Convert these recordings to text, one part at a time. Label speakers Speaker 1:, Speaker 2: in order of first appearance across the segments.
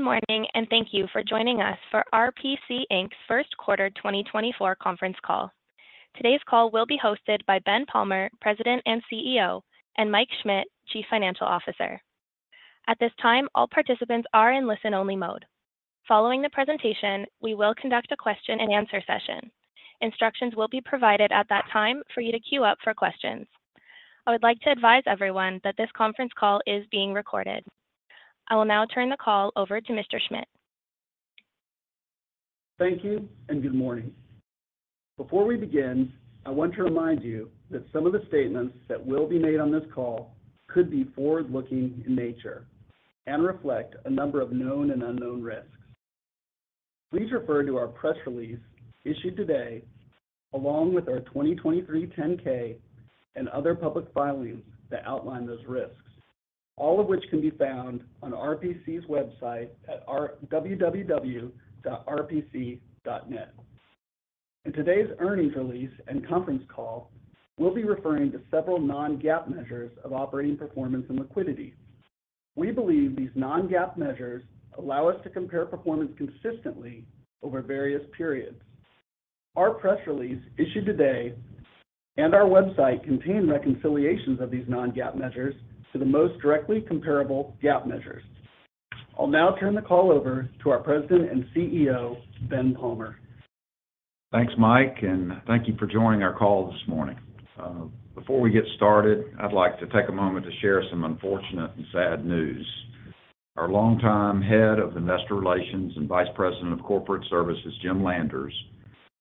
Speaker 1: Good morning, and thank you for joining us for RPC, Inc.'s Q1 2024 conference call. Today's call will be hosted by Ben Palmer, President and CEO, and Mike Schmit, Chief Financial Officer. At this time, all participants are in listen-only mode. Following the presentation, we will conduct a question-and-answer session. Instructions will be provided at that time for you to queue up for questions. I would like to advise everyone that this conference call is being recorded. I will now turn the call over to Mr. Schmit.
Speaker 2: Thank you, and good morning. Before we begin, I want to remind you that some of the statements that will be made on this call could be forward-looking in nature and reflect a number of known and unknown risks. Please refer to our press release issued today, along with our 2023 10-K and other public filings that outline those risks, all of which can be found on RPC's website at www.rpc.net. In today's earnings release and conference call, we'll be referring to several non-GAAP measures of operating performance and liquidity. We believe these non-GAAP measures allow us to compare performance consistently over various periods. Our press release issued today and our website contain reconciliations of these non-GAAP measures to the most directly comparable GAAP measures. I'll now turn the call over to our President and CEO, Ben Palmer.
Speaker 3: Thanks, Mike, and thank you for joining our call this morning. Before we get started, I'd like to take a moment to share some unfortunate and sad news. Our longtime Head of Investor Relations and Vice President of Corporate Services, Jim Landers,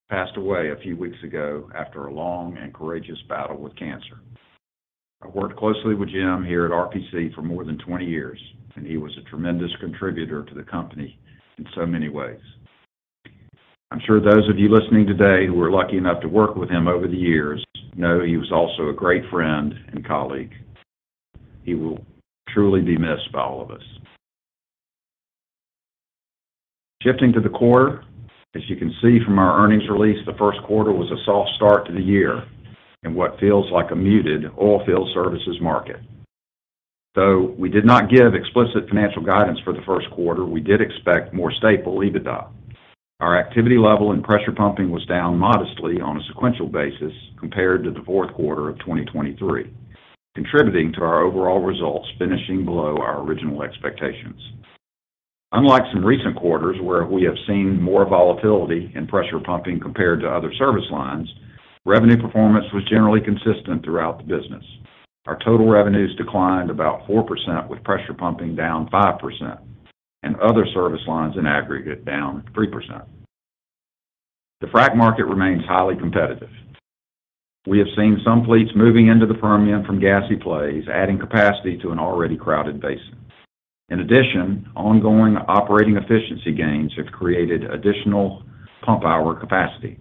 Speaker 3: passed away a few weeks ago after a long and courageous battle with cancer. I worked closely with Jim here at RPC for more than 20 years, and he was a tremendous contributor to the company in so many ways. I'm sure those of you listening today who were lucky enough to work with him over the years, know he was also a great friend and colleague. He will truly be missed by all of us. Shifting to the quarter, as you can see from our earnings release, the Q1 was a soft start to the year in what feels like a muted oilfield services market. Though we did not give explicit financial guidance for the Q1, we did expect more stable EBITDA. Our activity level and pressure pumping was down modestly on a sequential basis compared to the Q4 of 2023, contributing to our overall results finishing below our original expectations. Unlike some recent quarters, where we have seen more volatility in pressure pumping compared to other service lines, revenue performance was generally consistent throughout the business. Our total revenues declined about 4%, with pressure pumping down 5% and other service lines in aggregate down 3%. The frac market remains highly competitive. We have seen some fleets moving into the Permian from gassy plays, adding capacity to an already crowded basin. In addition, ongoing operating efficiency gains have created additional pump hour capacity.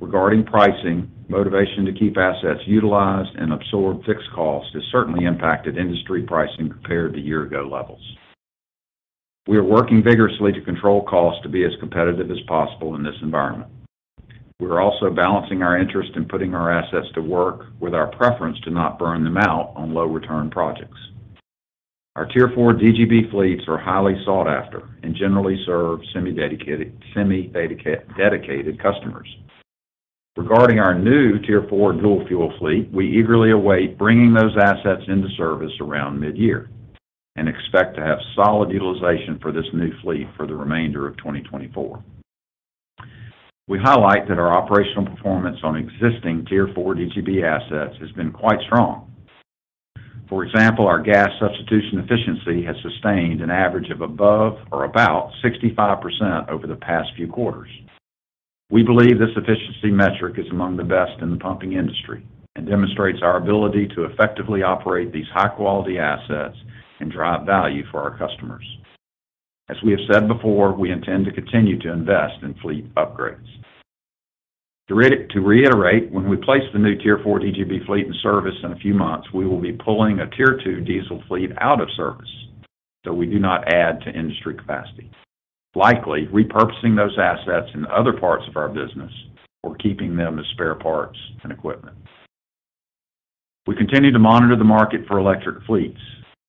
Speaker 3: Regarding pricing, motivation to keep assets utilized and absorb fixed cost has certainly impacted industry pricing compared to year-ago levels. We are working vigorously to control costs to be as competitive as possible in this environment. We are also balancing our interest in putting our assets to work with our preference to not burn them out on low-return projects. Our Tier 4 DGB fleets are highly sought after and generally serve semi-dedicated customers. Regarding our new Tier 4 dual-fuel fleet, we eagerly await bringing those assets into service around mid-year and expect to have solid utilization for this new fleet for the remainder of 2024. We highlight that our operational performance on existing Tier 4 DGB assets has been quite strong. For example, our gas substitution efficiency has sustained an average of above or about 65% over the past few quarters. We believe this efficiency metric is among the best in the pumping industry and demonstrates our ability to effectively operate these high-quality assets and drive value for our customers. As we have said before, we intend to continue to invest in fleet upgrades. To reiterate, when we place the new Tier 4 DGB fleet in service in a few months, we will be pulling a Tier 2 diesel fleet out of service, so we do not add to industry capacity. Likely, repurposing those assets in other parts of our business or keeping them as spare parts and equipment. We continue to monitor the market for electric fleets.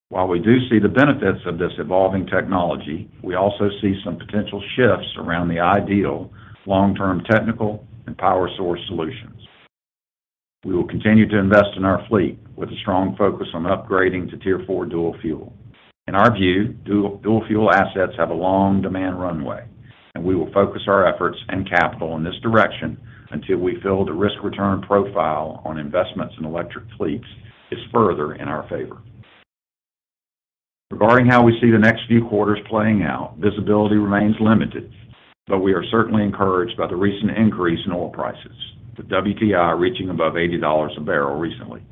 Speaker 3: While we do see the benefits of this evolving technology, we also see some potential shifts around the ideal long-term technical and power source solutions. We will continue to invest in our fleet with a strong focus on upgrading to Tier 4 dual fuel. In our view, dual fuel assets have a long demand runway, and we will focus our efforts and capital in this direction until we feel the risk-return profile on investments in electric fleets is further in our favor. Regarding how we see the next few quarters playing out, visibility remains limited, but we are certainly encouraged by the recent increase in oil prices, with WTI reaching above $80 a barrel recently.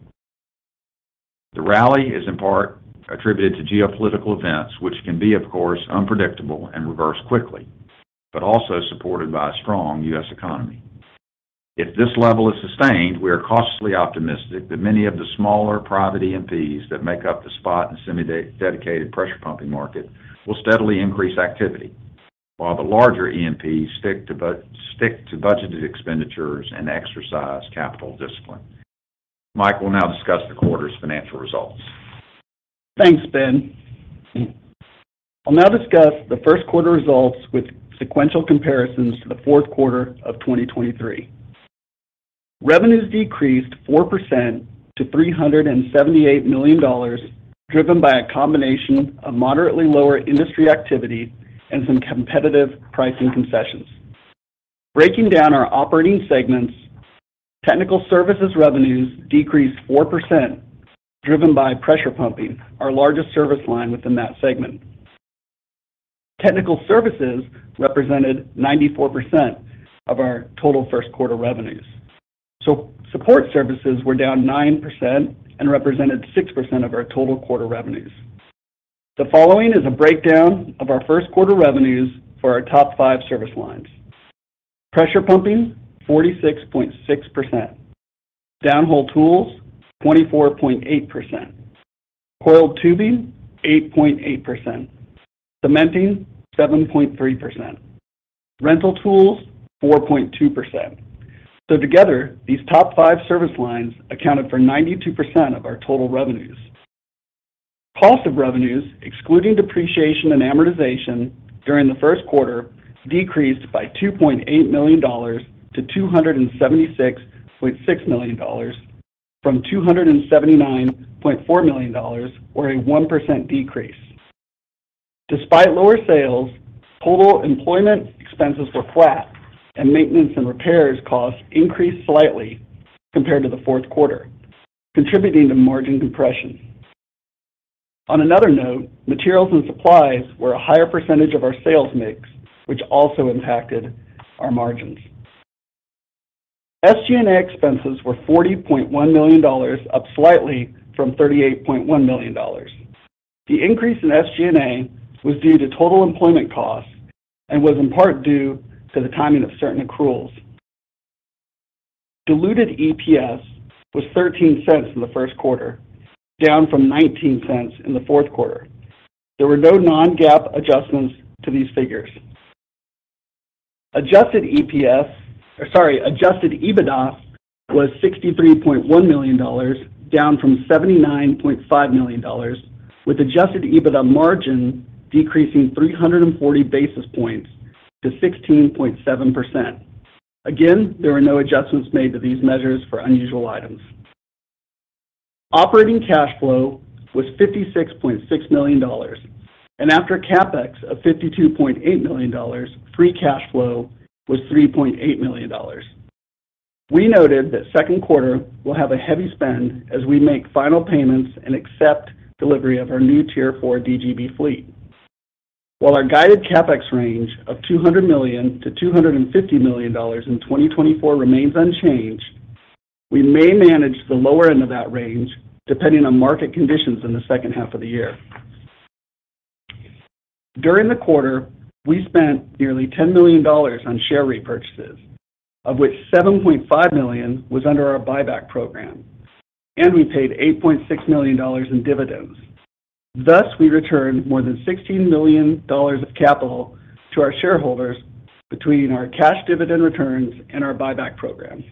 Speaker 3: The rally is in part attributed to geopolitical events, which can be, of course, unpredictable and reverse quickly, but also supported by a strong U.S. economy. If this level is sustained, we are cautiously optimistic that many of the smaller private E&Ps that make up the spot and semi-dedicated pressure pumping market will steadily increase activity, while the larger E&Ps stick to budgeted expenditures and exercise capital discipline. Mike will now discuss the quarter's financial results.
Speaker 2: Thanks, Ben. I'll now discuss the Q1 results with sequential comparisons to the Q4 of 2023. Revenues decreased 4% to $378 million, driven by a combination of moderately lower industry activity and some competitive pricing concessions. Breaking down our operating segments, technical services revenues decreased 4%, driven by pressure pumping, our largest service line within that segment. Technical services represented 94% of our total Q1 revenues. Support services were down 9% and represented 6% of our total quarter revenues. The following is a breakdown of our Q1 revenues for our top five service lines. Pressure pumping, 46.6%; downhole tools, 24.8%; coiled tubing, 8.8%; cementing, 7.3%; rental tools, 4.2%. So together, these top five service lines accounted for 92% of our total revenues. Cost of revenues, excluding depreciation and amortization, during the Q1, decreased by $2.8 million to $276.6 million, from $279.4 million, or a 1% decrease. Despite lower sales, total employment expenses were flat, and maintenance and repairs costs increased slightly compared to the Q4, contributing to margin compression. On another note, materials and supplies were a higher percentage of our sales mix, which also impacted our margins. SG&A expenses were $40.1 million, up slightly from $38.1 million. The increase in SG&A was due to total employment costs and was in part due to the timing of certain accruals. Diluted EPS was $0.13 in the Q1, down from $0.19 in the Q4. There were no non-GAAP adjustments to these figures. Adjusted EPS, or sorry, adjusted EBITDA was $63.1 million, down from $79.5 million, with adjusted EBITDA margin decreasing 340 basis points to 16.7%. Again, there were no adjustments made to these measures for unusual items. Operating cash flow was $56.6 million, and after CapEx of $52.8 million, free cash flow was $3.8 million. We noted that Q2 will have a heavy spend as we make final payments and accept delivery of our new Tier 4 DGB fleet. While our guided CapEx range of $200 million-$250 million in 2024 remains unchanged, we may manage the lower end of that range, depending on market conditions in the second half of the year. During the quarter, we spent nearly $10 million on share repurchases, of which $7.5 million was under our buyback program, and we paid $8.6 million in dividends. Thus, we returned more than $16 million of capital to our shareholders between our cash dividend returns and our buyback program.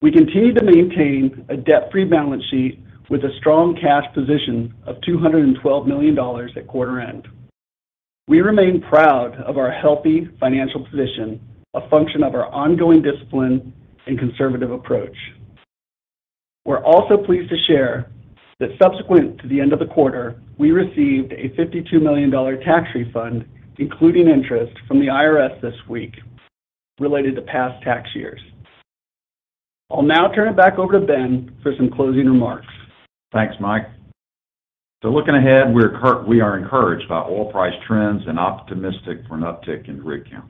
Speaker 2: We continue to maintain a debt-free balance sheet with a strong cash position of $212 million at quarter end. We remain proud of our healthy financial position, a function of our ongoing discipline and conservative approach. We're also pleased to share that subsequent to the end of the quarter, we received a $52 million tax refund, including interest, from the IRS this week, related to past tax years. I'll now turn it back over to Ben for some closing remarks.
Speaker 3: Thanks, Mike. So looking ahead, we are encouraged by oil price trends and optimistic for an uptick in rig count.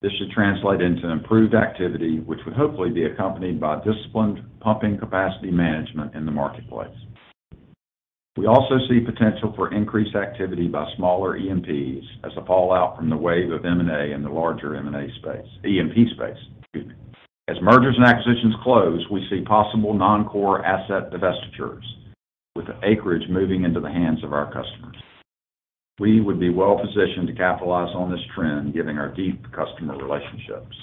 Speaker 3: This should translate into improved activity, which would hopefully be accompanied by disciplined pumping capacity management in the marketplace. We also see potential for increased activity by smaller E&Ps as a fallout from the wave of M&A in the larger M&A space, E&P space, excuse me. As mergers and acquisitions close, we see possible non-core asset divestitures, with the acreage moving into the hands of our customers. We would be well positioned to capitalize on this trend, given our deep customer relationships.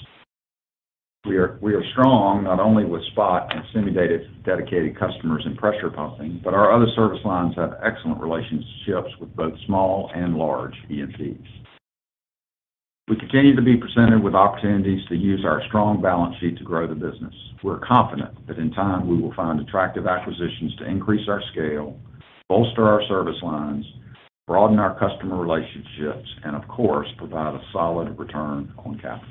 Speaker 3: We are, we are strong, not only with spot and simulated dedicated customers in pressure pumping, but our other service lines have excellent relationships with both small and large E&Ps. We continue to be presented with opportunities to use our strong balance sheet to grow the business. We're confident that in time, we will find attractive acquisitions to increase our scale, bolster our service lines, broaden our customer relationships, and of course, provide a solid return on capital.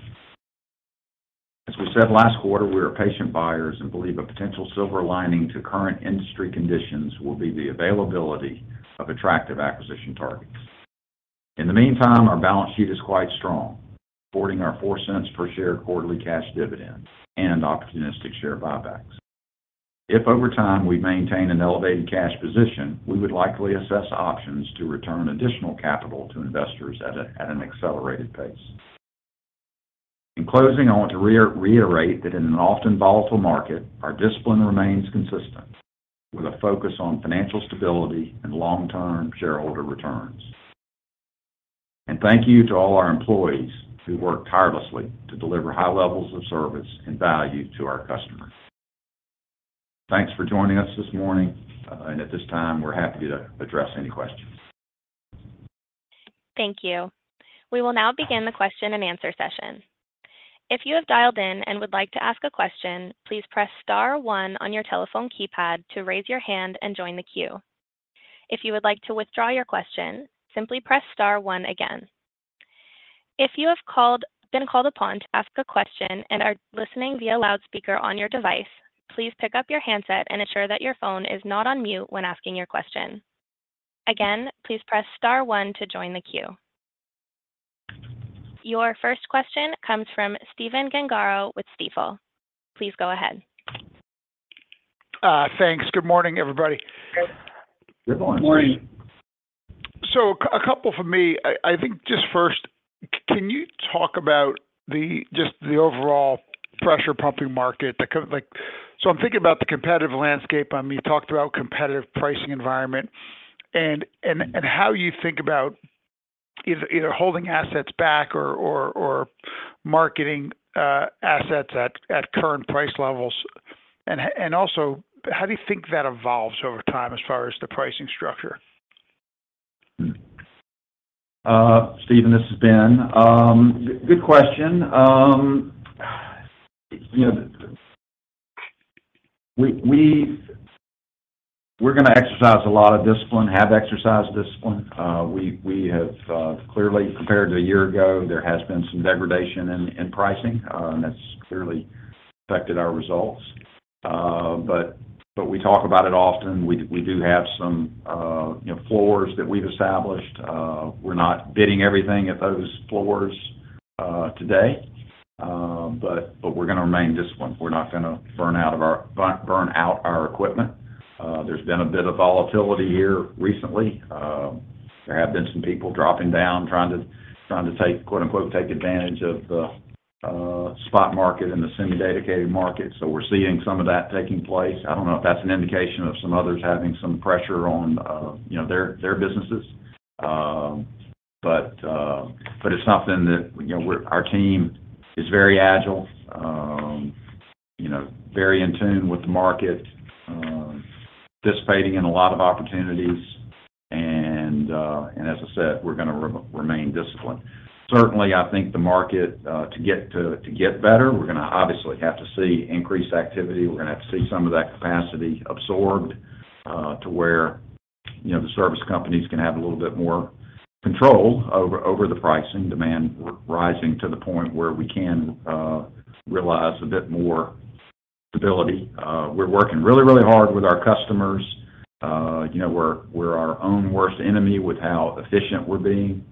Speaker 3: As we said last quarter, we are patient buyers and believe a potential silver lining to current industry conditions will be the availability of attractive acquisition targets. In the meantime, our balance sheet is quite strong, supporting our $0.04 per share quarterly cash dividend and opportunistic share buybacks. If over time, we maintain an elevated cash position, we would likely assess options to return additional capital to investors at an accelerated pace. In closing, I want to reiterate that in an often volatile market, our discipline remains consistent, with a focus on financial stability and long-term shareholder returns. Thank you to all our employees who work tirelessly to deliver high levels of service and value to our customers. Thanks for joining us this morning. At this time, we're happy to address any questions.
Speaker 1: Thank you. We will now begin the question and answer session. If you have dialed in and would like to ask a question, please press star one on your telephone keypad to raise your hand and join the queue. If you would like to withdraw your question, simply press star one again. If you have been called upon to ask a question and are listening via loudspeaker on your device, please pick up your handset and ensure that your phone is not on mute when asking your question. Again, please press star one to join the queue. Your first question comes from Stephen Gengaro with Stifel. Please go ahead.
Speaker 4: Thanks. Good morning, everybody.
Speaker 3: Good morning.
Speaker 4: So a couple from me. I think just first, can you talk about the just the overall pressure pumping market? The kind—like, so I'm thinking about the competitive landscape. You talked about competitive pricing environment and how you think about either holding assets back or marketing assets at current price levels. And also, how do you think that evolves over time as far as the pricing structure?
Speaker 3: Stephen, this is Ben. Good question. You know, we're gonna exercise a lot of discipline, have exercised discipline. We have clearly, compared to a year ago, there has been some degradation in pricing, and that's clearly affected our results. But we talk about it often. We do have some, you know, floors that we've established. We're not bidding everything at those floors today. But we're gonna remain disciplined. We're not gonna burn out our equipment. There's been a bit of volatility here recently. There have been some people dropping down, trying to take, quote-unquote, "take advantage" of the spot market and the semi-dedicated market. So we're seeing some of that taking place. I don't know if that's an indication of some others having some pressure on, you know, their businesses. But but it's something that, you know, we're our team is very agile, you know, very in tune with the market, participating in a lot of opportunities. And as I said, we're gonna remain disciplined. Certainly, I think the market to get better, we're gonna obviously have to see increased activity. We're gonna have to see some of that capacity absorbed, to where, you know, the service companies can have a little bit more control over the pricing demand, rising to the point where we can realize a bit more stability. We're working really, really hard with our customers. You know, we're our own worst enemy with how efficient we're being.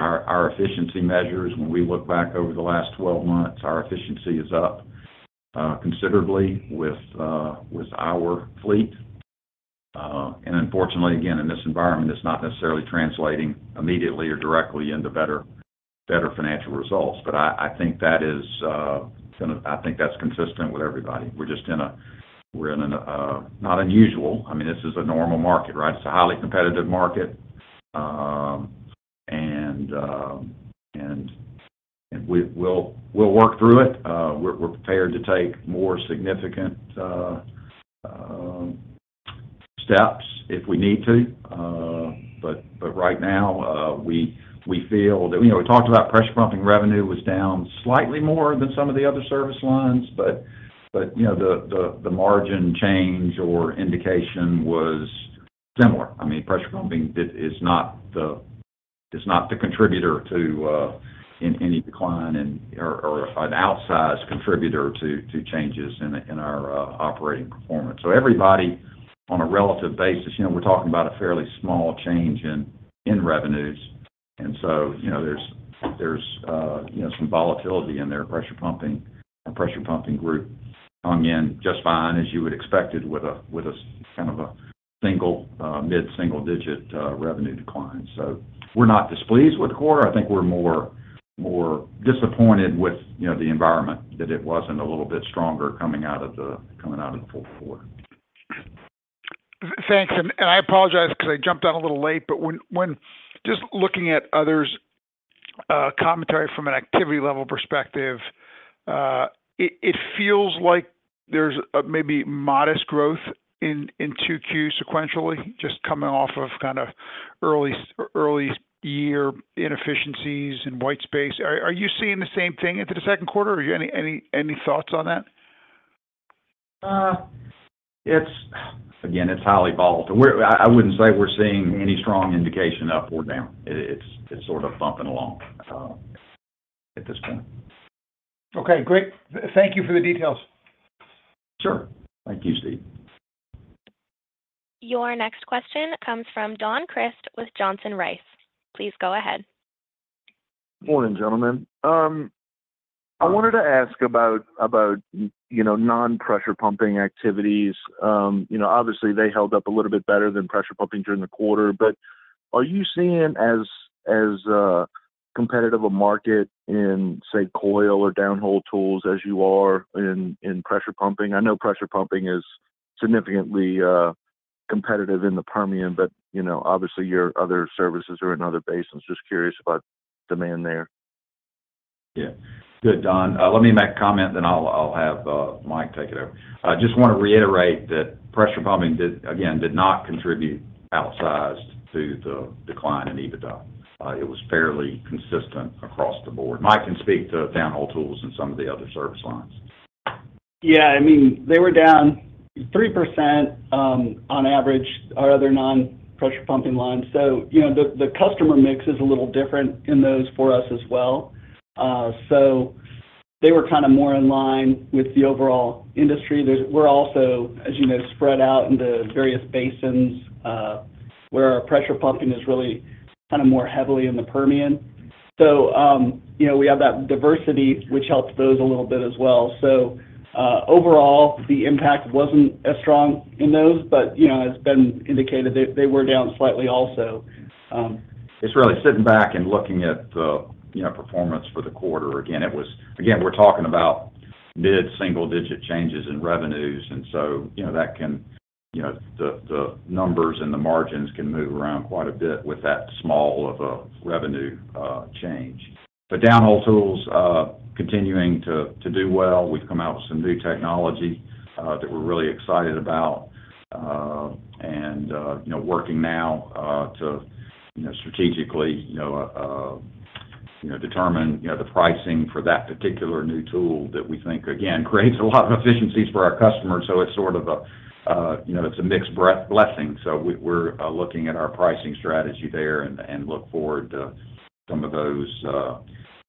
Speaker 3: Our efficiency measures, when we look back over the last 12 months, our efficiency is up considerably with our fleet. And unfortunately, again, in this environment, it's not necessarily translating immediately or directly into better financial results. But I think that is kind of—I think that's consistent with everybody. We're just in a, we're in an not unusual, I mean, this is a normal market, right? It's a highly competitive market. And we'll work through it. We're prepared to take more significant steps if we need to. But right now, we feel that... You know, we talked about pressure pumping revenue was down slightly more than some of the other service lines, but you know, the margin change or indication was similar. I mean, pressure pumping is not the contributor to any decline in or an outsized contributor to changes in our operating performance. So everybody, on a relative basis, you know, we're talking about a fairly small change in revenues, and so, you know, there's some volatility in their pressure pumping. Our pressure pumping group hung in just fine, as you would expect it, with a kind of a single mid-single digit revenue decline. So we're not displeased with core. I think we're more disappointed with, you know, the environment, that it wasn't a little bit stronger coming out of the Q4.
Speaker 4: Thanks. I apologize because I jumped on a little late, but when just looking at others' commentary from an activity level perspective, it feels like there's a maybe modest growth in Q2s sequentially, just coming off of kind of early year inefficiencies and white space. Are you seeing the same thing into the Q2? Any thoughts on that?
Speaker 3: It's, again, highly volatile. I wouldn't say we're seeing any strong indication up or down. It's sort of thumping along at this point.
Speaker 4: Okay, great. Thank you for the details.
Speaker 3: Sure. Thank you, Steve.
Speaker 1: Your next question comes from Don Crist with Johnson Rice. Please go ahead.
Speaker 5: Morning, gentlemen. I wanted to ask about, you know, non-pressure pumping activities. You know, obviously, they held up a little bit better than pressure pumping during the quarter, but are you seeing as competitive a market in, say, coil or downhole tools as you are in pressure pumping? I know pressure pumping is significantly competitive in the Permian, but, you know, obviously, your other services are in other basins. Just curious about demand there.
Speaker 3: Yeah. Good, Don. Let me make a comment, then I'll have Mike take it over. I just wanna reiterate that pressure pumping did, again, did not contribute outsized to the decline in EBITDA. It was fairly consistent across the board. Mike can speak to downhole tools and some of the other service lines.
Speaker 2: Yeah, I mean, they were down 3%, on average, our other non-pressure pumping lines. So, you know, the customer mix is a little different in those for us as well. So they were kind of more in line with the overall industry. We're also, as you know, spread out into various basins, where our pressure pumping is really kind of more heavily in the Permian. So, you know, we have that diversity, which helps those a little bit as well. So, overall, the impact wasn't as strong in those, but, you know, as Ben indicated, they were down slightly also.
Speaker 3: It's really sitting back and looking at the, you know, performance for the quarter. Again, it was... Again, we're talking about mid-single digit changes in revenues, and so, you know, that can, you know, the numbers and the margins can move around quite a bit with that small of a revenue change. But Downhole Tools continuing to do well. We've come out with some new technology that we're really excited about. And you know, working now to you know, strategically, you know, determine you know, the pricing for that particular new tool that we think, again, creates a lot of efficiencies for our customers. So it's sort of a, you know, it's a mixed blessing, so we're looking at our pricing strategy there, and look forward to some of those,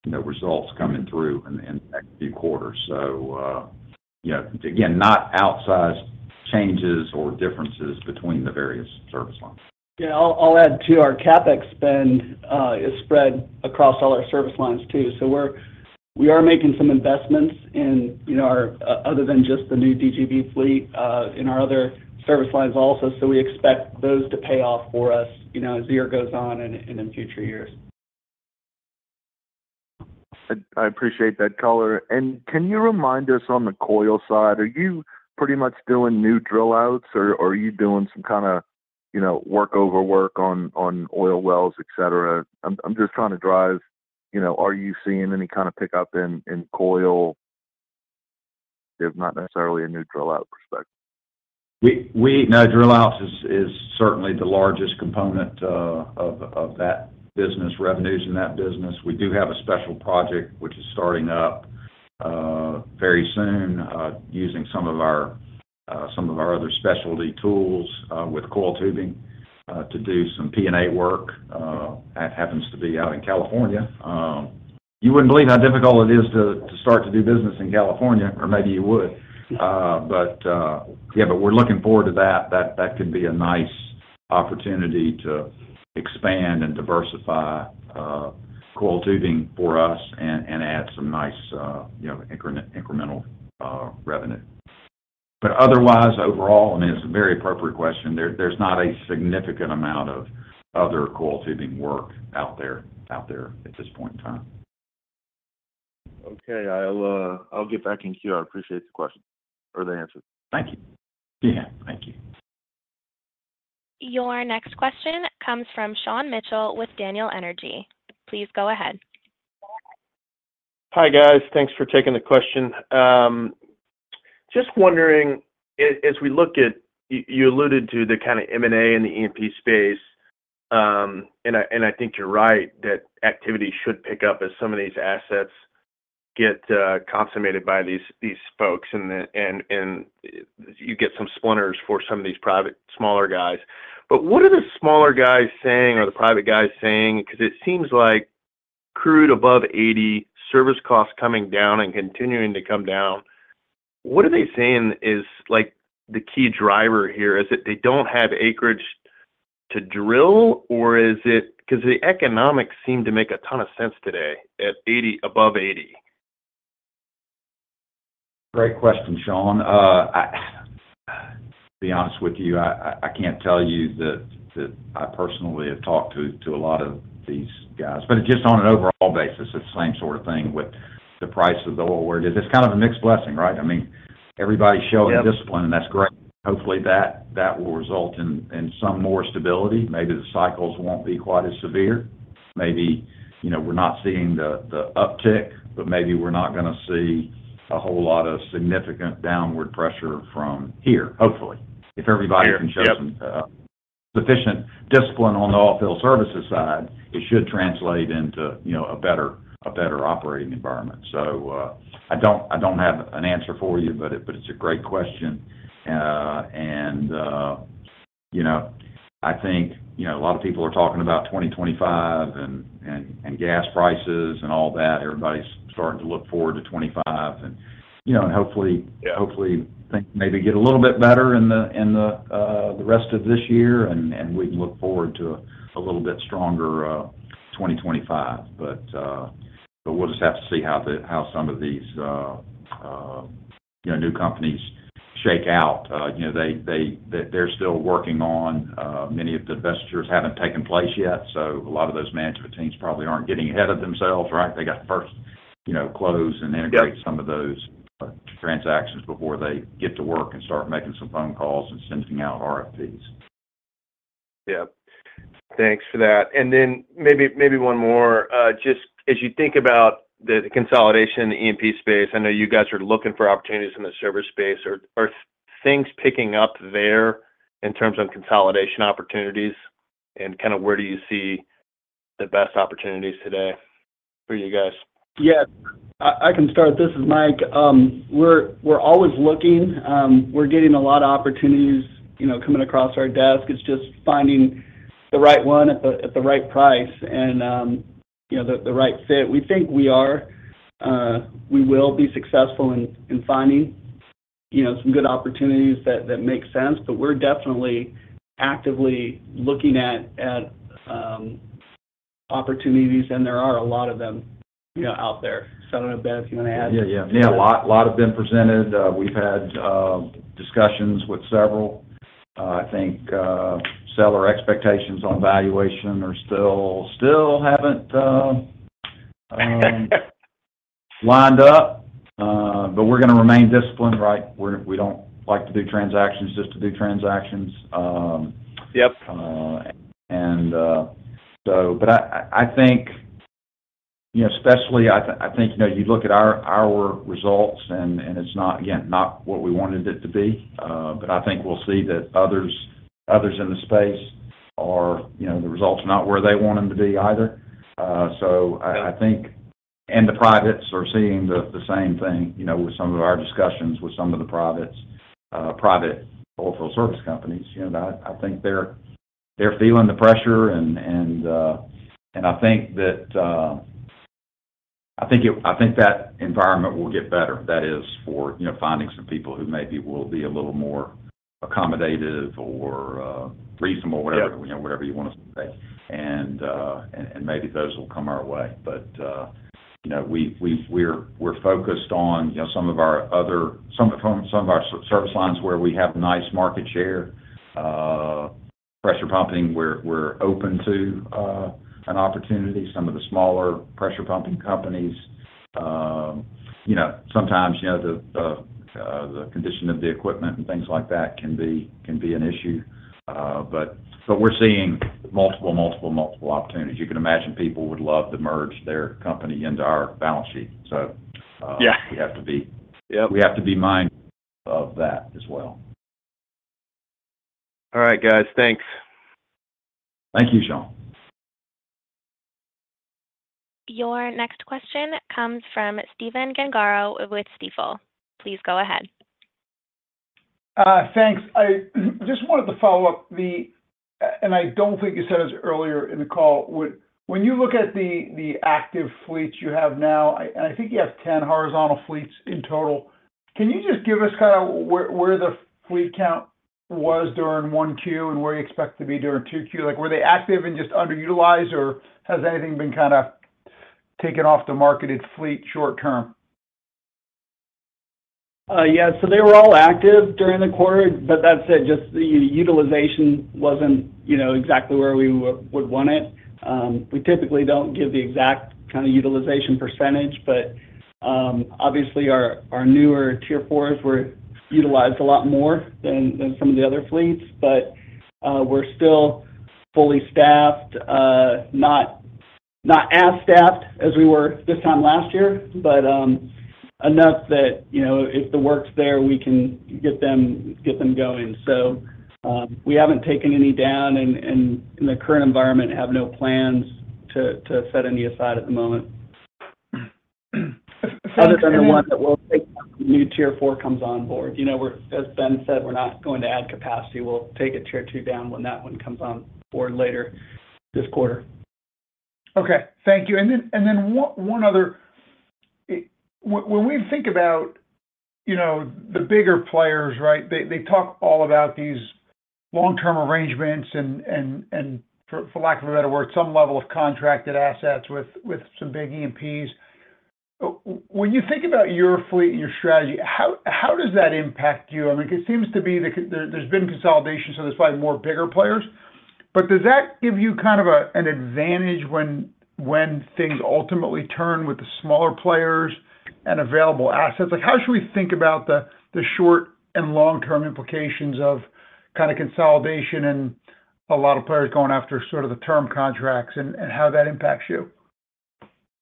Speaker 3: you know, results coming through in the next few quarters. So, you know, again, not outsized changes or differences between the various service lines.
Speaker 2: Yeah, I'll add, too, our CapEx spend is spread across all our service lines, too. So we're making some investments in, you know, our other than just the new Tier 4 DGB fleet in our other service lines also, so we expect those to pay off for us, you know, as the year goes on and in future years.
Speaker 5: I appreciate that color. Can you remind us on the coil side, are you pretty much doing new drill outs, or are you doing some kind of, you know, work-over work on oil wells, et cetera? I'm just trying to drive, you know, are you seeing any kind of pickup in coil, if not necessarily a new drill out perspective?
Speaker 3: No, drill outs is certainly the largest component of that business revenues in that business. We do have a special project which is starting up very soon using some of our other specialty tools with coiled tubing to do some P&A work. That happens to be out in California. You wouldn't believe how difficult it is to start to do business in California, or maybe you would. But yeah, but we're looking forward to that. That could be a nice opportunity to expand and diversify coiled tubing for us and add some nice you know incremental revenue. Otherwise, overall, I mean, it's a very appropriate question. There's not a significant amount of other coiled tubing work out there at this point in time.
Speaker 5: Okay. I'll get back in queue. I appreciate the question or the answers. Thank you.
Speaker 3: Yeah, thank you.
Speaker 1: Your next question comes from Sean Mitchell with Daniel Energy. Please go ahead.
Speaker 6: Hi, guys. Thanks for taking the question. Just wondering, as we look at, you alluded to the kind of M&A in the E&P space, and I think you're right, that activity should pick up as some of these assets get consummated by these folks, and then you get some splinters for some of these private, smaller guys. But what are the smaller guys saying, or the private guys saying? Because it seems like crude above $80, service costs coming down and continuing to come down, what are they saying is like the key driver here? Is it they don't have acreage to drill, or is it? Because the economics seem to make a ton of sense today, at $80, above $80.
Speaker 3: Great question, Sean. To be honest with you, I can't tell you that I personally have talked to a lot of these guys. But just on an overall basis, it's the same sort of thing with the price of the oil. Where it is, it's kind of a mixed blessing, right? I mean, everybody's showing-
Speaker 6: Yep...
Speaker 3: discipline, and that's great. Hopefully, that, that will result in, in some more stability. Maybe the cycles won't be quite as severe. Maybe, you know, we're not seeing the, the uptick, but maybe we're not gonna see a whole lot of significant downward pressure from here, hopefully.
Speaker 6: Yeah. Yep.
Speaker 3: If everybody can show some sufficient discipline on the oilfield services side, it should translate into, you know, a better operating environment. So, I don't have an answer for you, but it's a great question. You know, I think, you know, a lot of people are talking about 2025 and gas prices and all that. Everybody's starting to look forward to 2025, and, you know, and hopefully-
Speaker 6: Yeah...
Speaker 3: hopefully, things maybe get a little bit better in the rest of this year, and we can look forward to a little bit stronger 2025. But we'll just have to see how some of these, you know, new companies shake out. You know, they're still working on... many of the divestitures haven't taken place yet, so a lot of those management teams probably aren't getting ahead of themselves, right? They got to first, you know, close and integrate-
Speaker 6: Yep.
Speaker 3: some of those transactions before they get to work and start making some phone calls and sending out RFPs.
Speaker 6: Yep. Thanks for that. And then maybe, maybe one more. Just as you think about the consolidation in the E&P space, I know you guys are looking for opportunities in the service space. Are things picking up there in terms of consolidation opportunities? And kind of where do you see the best opportunities today for you guys?
Speaker 2: Yeah, I can start. This is Mike. We're always looking. We're getting a lot of opportunities, you know, coming across our desk. It's just finding the right one at the right price and, you know, the right fit. We think we are, we will be successful in finding, you know, some good opportunities that make sense. But we're definitely actively looking at opportunities, and there are a lot of them, you know, out there. So I don't know, Ben, if you want to add?
Speaker 3: Yeah, yeah. Yeah, a lot, a lot have been presented. We've had discussions with several. I think seller expectations on valuation are still, still haven't lined up. But we're gonna remain disciplined, right? We don't like to do transactions just to do transactions.
Speaker 6: Yep...
Speaker 3: and, so but I think, you know, especially, I think, you know, you look at our results and it's not, again, not what we wanted it to be. But I think we'll see that others in the space are, you know, the results are not where they want them to be either. So I think... And the privates are seeing the same thing. You know, with some of our discussions with some of the privates, private oilfield service companies, you know, I think they're feeling the pressure. And I think that... I think that environment will get better. That is for, you know, finding some people who maybe will be a little more accommodative or reasonable-
Speaker 6: Yep...
Speaker 3: or whatever, you know, whatever you want to say. And maybe those will come our way. But you know, we are focused on you know, some of our other... Some of our service lines where we have nice market share. Pressure pumping, we are open to an opportunity. Some of the smaller pressure pumping companies, you know, sometimes you know, the condition of the equipment and things like that can be an issue. But we are seeing multiple opportunities. You can imagine people would love to merge their company into our balance sheet. So-
Speaker 6: Yeah…
Speaker 3: we have to be-
Speaker 6: Yep...
Speaker 3: we have to be mindful of that as well.
Speaker 6: All right, guys. Thanks.
Speaker 3: Thank you, Sean.
Speaker 1: Your next question comes from Stephen Gengaro with Stifel. Please go ahead.
Speaker 4: Thanks. I just wanted to follow up and I don't think you said this earlier in the call. When you look at the active fleets you have now, and I think you have 10 horizontal fleets in total, can you just give us kind of where the fleet count was during Q1 and where you expect to be during Q2? Like, were they active and just underutilized, or has anything been kind of taken off the marketed fleet short term?
Speaker 2: Yeah, so they were all active during the quarter, but that said, just the utilization wasn't, you know, exactly where we would want it. We typically don't give the exact kind of utilization percentage, but obviously, our newer Tier 4s were utilized a lot more than some of the other fleets. But we're still fully staffed, not as staffed as we were this time last year, but enough that, you know, if the work's there, we can get them going. So we haven't taken any down, and in the current environment, have no plans to set any aside at the moment. Other than the one that we'll take when new Tier 4 comes on board. You know, we're, as Ben said, we're not going to add capacity. We'll take a Tier 2 down when that one comes on board later this quarter.
Speaker 4: Okay. Thank you. Then one other... When we think about, you know, the bigger players, right? They talk all about these long-term arrangements and for lack of a better word, some level of contracted assets with some big E&Ps. When you think about your fleet and your strategy, how does that impact you? I mean, it seems to be the case there, there's been consolidation, so there's probably more bigger players. But does that give you kind of an advantage when things ultimately turn with the smaller players and available assets? Like, how should we think about the short and long-term implications of kind of consolidation and a lot of players going after sort of the term contracts and how that impacts you?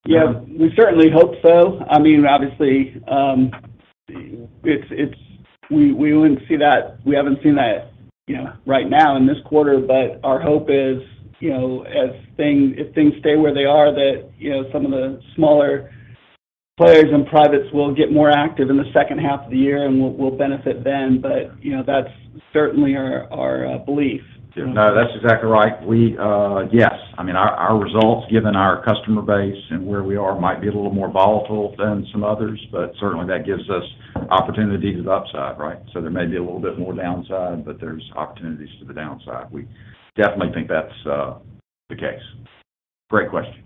Speaker 2: Yeah, we certainly hope so. I mean, obviously, it's we wouldn't see that. We haven't seen that, you know, right now in this quarter, but our hope is, you know, if things stay where they are, that, you know, some of the smaller players and privates will get more active in the second half of the year, and we'll benefit then. But, you know, that's certainly our belief.
Speaker 3: No, that's exactly right. We, Yes, I mean, our, our results, given our customer base and where we are, might be a little more volatile than some others, but certainly that gives us opportunity to the upside, right? So there may be a little bit more downside, but there's opportunities to the downside. We definitely think that's the case. Great question.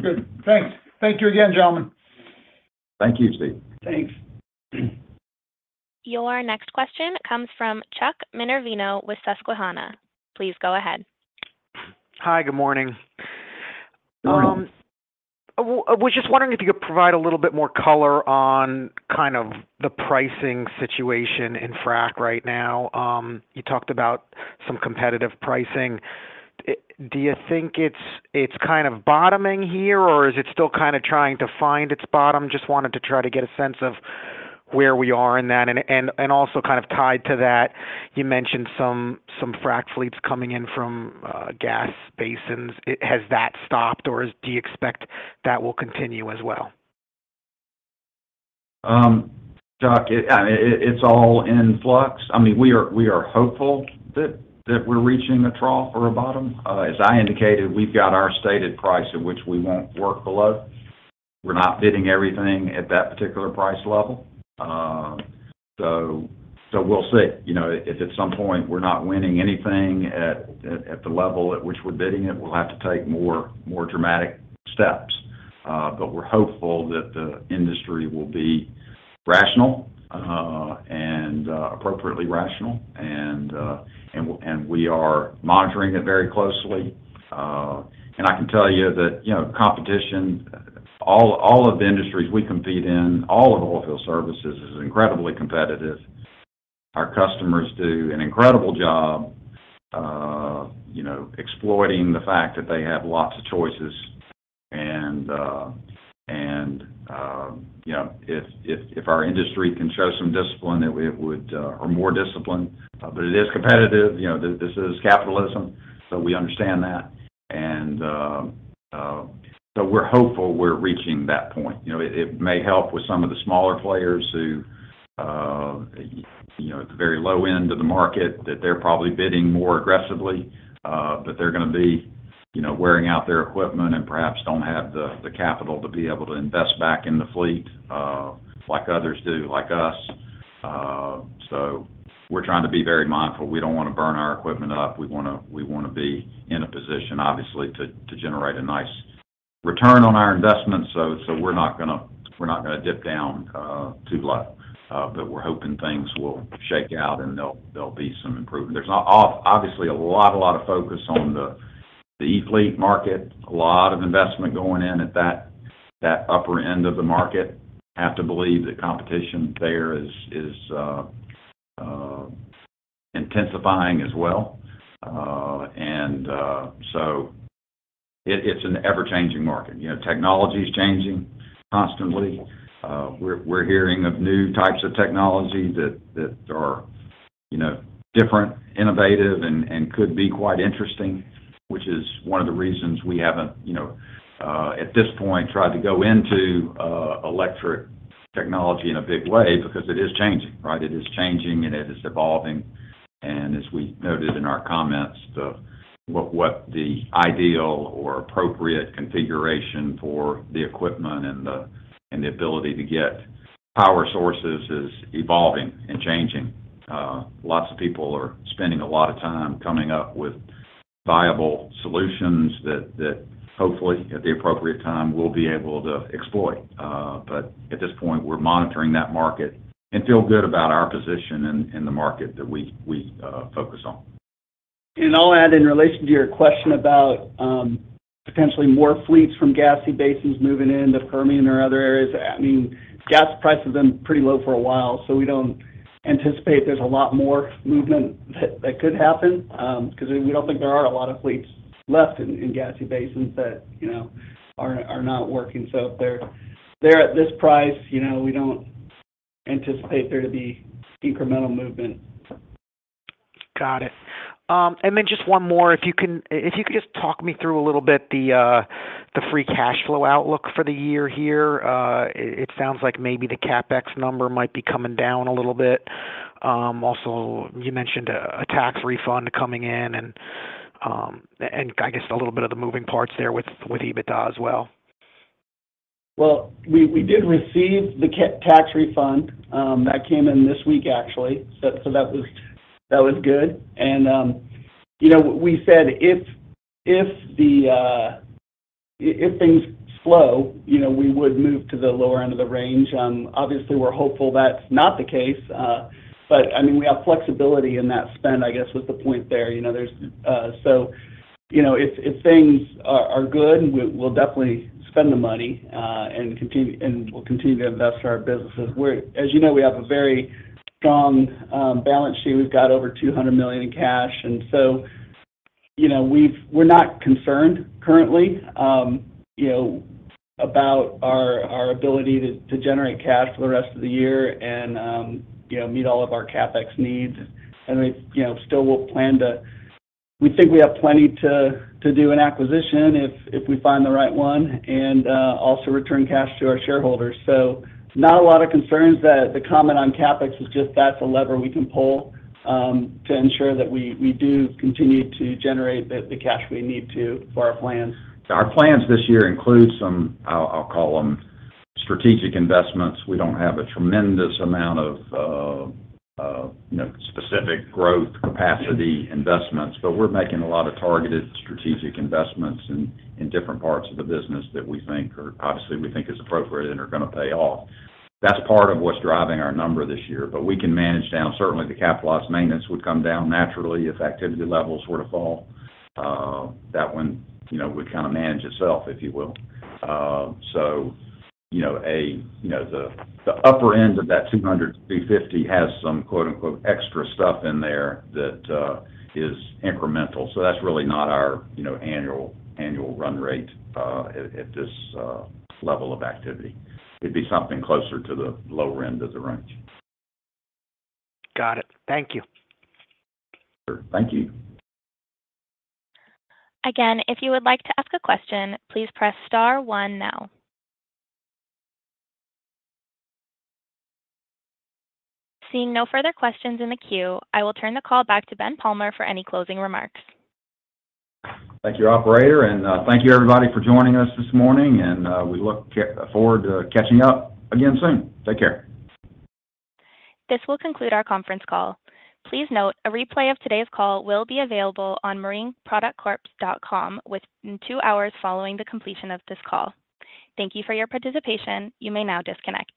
Speaker 4: Good. Thanks. Thank you again, gentlemen....
Speaker 3: Thank you, Steve.
Speaker 2: Thanks.
Speaker 1: Your next question comes from Chuck Minervino with Susquehanna. Please go ahead.
Speaker 7: Hi, good morning. I was just wondering if you could provide a little bit more color on kind of the pricing situation in frac right now. You talked about some competitive pricing. Do you think it's kind of bottoming here, or is it still kind of trying to find its bottom? Just wanted to try to get a sense of where we are in that. And also kind of tied to that, you mentioned some frac fleets coming in from gas basins. Has that stopped, or do you expect that will continue as well?
Speaker 3: Chuck, I mean, it's all in flux. I mean, we are hopeful that we're reaching a trough or a bottom. As I indicated, we've got our stated price at which we won't work below. We're not bidding everything at that particular price level. So we'll see. You know, if at some point we're not winning anything at the level at which we're bidding it, we'll have to take more dramatic steps. But we're hopeful that the industry will be rational, and we are monitoring it very closely. And I can tell you that, you know, competition, all of the industries we compete in, all of oilfield services is incredibly competitive. Our customers do an incredible job, you know, exploiting the fact that they have lots of choices, and, and, you know, if our industry can show some discipline, it would... Or more discipline. But it is competitive, you know, this is capitalism, so we understand that. And, so we're hopeful we're reaching that point. You know, it may help with some of the smaller players who, you know, at the very low end of the market, that they're probably bidding more aggressively. But they're gonna be, you know, wearing out their equipment and perhaps don't have the capital to be able to invest back in the fleet, like others do, like us. So we're trying to be very mindful. We don't wanna burn our equipment up. We wanna be in a position, obviously, to generate a nice return on our investment. So we're not gonna dip down too low. But we're hoping things will shake out, and there'll be some improvement. There's obviously a lot of focus on the E-fleet market. A lot of investment going in at that upper end of the market. I have to believe the competition there is intensifying as well. So it, it's an ever-changing market. You know, technology's changing constantly. We're hearing of new types of technology that are, you know, different, innovative, and could be quite interesting, which is one of the reasons we haven't, you know, at this point, tried to go into electric technology in a big way because it is changing, right? It is changing, and it is evolving. And as we noted in our comments, the ideal or appropriate configuration for the equipment and the ability to get power sources is evolving and changing. Lots of people are spending a lot of time coming up with viable solutions that hopefully, at the appropriate time, we'll be able to exploit. But at this point, we're monitoring that market and feel good about our position in the market that we focus on.
Speaker 2: I'll add in relation to your question about potentially more fleets from gassy basins moving into Permian or other areas. I mean, gas prices have been pretty low for a while, so we don't anticipate there's a lot more movement that could happen, because we don't think there are a lot of fleets left in gassy basins that, you know, are not working. So if they're there at this price, you know, we don't anticipate there to be incremental movement.
Speaker 7: Got it. And then just one more. If you can, if you could just talk me through a little bit the free cash flow outlook for the year here. It sounds like maybe the CapEx number might be coming down a little bit. Also, you mentioned a tax refund coming in and I guess a little bit of the moving parts there with EBITDA as well.
Speaker 2: Well, we did receive the tax refund. That came in this week, actually. So, that was good. And you know, we said if things slow, you know, we would move to the lower end of the range. Obviously, we're hopeful that's not the case, but I mean, we have flexibility in that spend, I guess, is the point there. You know, there's... So, you know, if things are good, we'll definitely spend the money, and continue, and we'll continue to invest in our businesses. We, as you know, have a very strong balance sheet. We've got over $200 million in cash, and so, you know, we're not concerned currently, you know, about our ability to generate cash for the rest of the year and, you know, meet all of our CapEx needs. And we, you know, still plan to. We think we have plenty to do an acquisition if we find the right one, and also return cash to our shareholders. So not a lot of concerns. The comment on CapEx is just that's a lever we can pull to ensure that we do continue to generate the cash we need to for our plans.
Speaker 3: Our plans this year include some, I'll call them, strategic investments. We don't have a tremendous amount of, you know, specific growth capacity investments, but we're making a lot of targeted strategic investments in, in different parts of the business that we think are, obviously, we think is appropriate and are gonna pay off. That's part of what's driving our number this year, but we can manage down. Certainly, the capitalized maintenance would come down naturally if activity levels were to fall. That one, you know, would kind of manage itself, if you will. So, you know, the upper end of that $200-$250 has some "extra stuff" in there that is incremental, so that's really not our, you know, annual run rate at this level of activity. It'd be something closer to the lower end of the range.
Speaker 7: Got it. Thank you.
Speaker 3: Sure. Thank you.
Speaker 1: Again, if you would like to ask a question, please press star one now. Seeing no further questions in the queue, I will turn the call back to Ben Palmer for any closing remarks.
Speaker 3: Thank you, operator. Thank you, everybody, for joining us this morning, and we look forward to catching up again soon. Take care.
Speaker 1: This will conclude our conference call. Please note, a replay of today's call will be available on marineproductscorp.com within two hours following the completion of this call. Thank you for your participation. You may now disconnect.